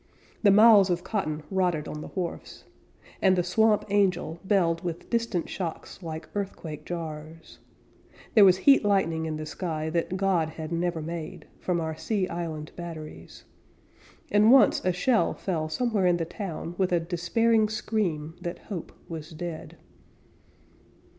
The miles of cotton rotted on the wharfs, And the Swamp Angel belled with distant shocks Like earthquake jars; There was heat lightning in the sky That God had never made, From our sea island batteries; And once a shell fell somewhere in the town With a despairing scream that hope was dead.